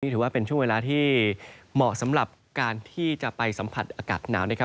ถือว่าเป็นช่วงเวลาที่เหมาะสำหรับการที่จะไปสัมผัสอากาศหนาว